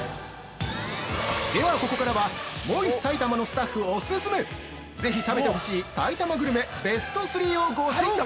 ◆では、ここからはモイサイタマのスタッフおすすめぜひ食べてほしい！埼玉グルメベスト３をご紹介！